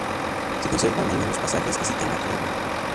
Se conservan algunos pasajes que cita Macrobio.